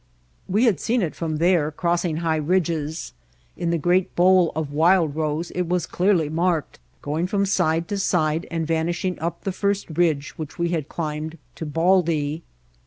We had seen it from there cross ing high ridges; in the great bowl of Wild Rose it was clearly marked, going from side to side and vanishing up the first ridge which we had climbed to Baldy.